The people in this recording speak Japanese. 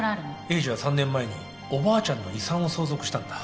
栄治は３年前におばあちゃんの遺産を相続したんだ。